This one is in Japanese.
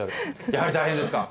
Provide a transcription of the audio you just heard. やはり大変ですか。